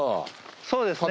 そうですね